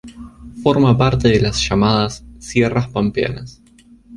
Forma parte de las llamadas Sierras Pampeanas.